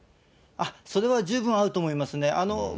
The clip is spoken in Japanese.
それは十分あると思いますね。